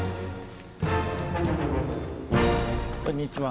こんにちは。